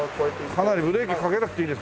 ブレーキかけなくていいですか？